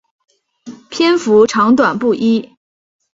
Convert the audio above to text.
篇幅长短不一。